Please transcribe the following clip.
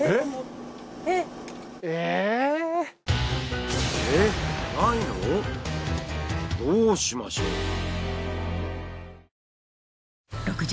えっ無いの？どうしましょう。